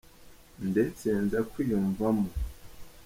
ndetse nza kwiyumvamo.